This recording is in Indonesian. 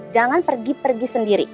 jangan pergi pergi sendiri